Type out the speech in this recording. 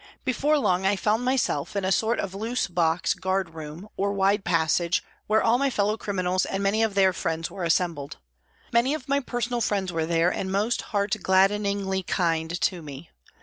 Before long I found myself in a sort of loose box guard room, or wide passage, where all my fellow criminals and many of their friends were assembled. Many of my personal friends were there and most heart gladdeningly kind to me.